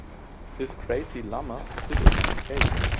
This crazy llama spit in my face.